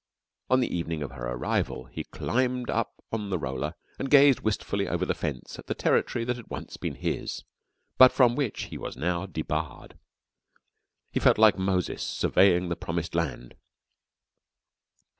On the evening of her arrival he climbed up on the roller and gazed wistfully over the fence at the territory that had once been his, but from which he was now debarred. He felt like Moses surveying the Promised Land.